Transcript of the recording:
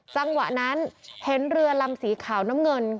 จังหวะนั้นเห็นเรือลำสีขาวน้ำเงิน